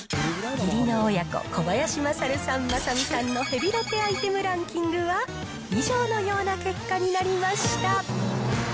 義理の親子、小林まさるさん、まさみさんのヘビロテアイテムランキングは、以上のような結果になりました。